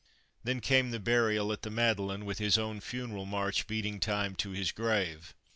Then came the burial at the Madeleine, with his own funeral march beating time to his grave.